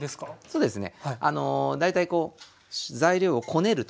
そうですね。